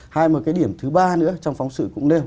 hai một cái điểm thứ ba nữa trong phóng sự cũng đều